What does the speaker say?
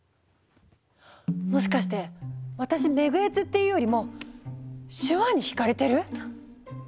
もしかして私メグエツっていうよりも手話に引かれてる？